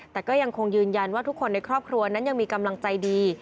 แต่ก็ยังคงยืนยันว่าทุกคนในครอบครัวนั้นยังมีกำลังใจดี